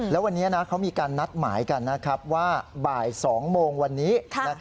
แล้ววันนี้เขามีการนัดหมายกันว่าบ่าย๒โมงวันนี้